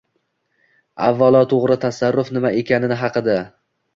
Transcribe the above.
Avvalo «to‘g‘ri tasarruf» nima ekani haqida.